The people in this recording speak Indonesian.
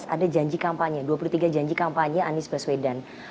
ada janji kampanye dua puluh tiga janji kampanye anies baswedan